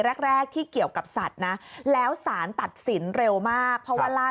แรกแรกที่เกี่ยวกับสัตว์นะแล้วสารตัดสินเร็วมากเพราะว่าล่าสุด